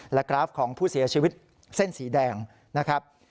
และกราฟของผู้เสียชีวิตเส้นสีแดงนะครับ